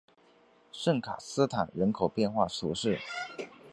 圣卡斯坦人口变化图示